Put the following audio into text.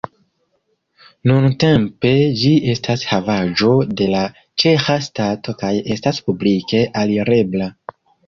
Nuntempe ĝi estas havaĵo de la ĉeĥa stato kaj estas publike alirebla.